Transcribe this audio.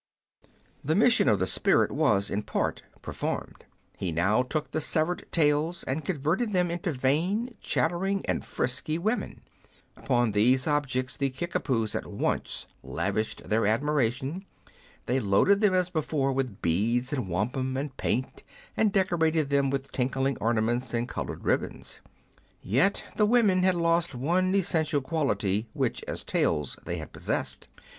The mission of the spirit was, in part, performed. He now took the severed tails and converted them into vain, chattering, and frisky women. Upon these objects the Kickapoos at once lavished their admiration ; they loaded them as before with beads, and wampum, and paint, and decorated them with tinkling ornaments and coloured ribbons. Yet the women had lost one essential quality which as tails they had possessed.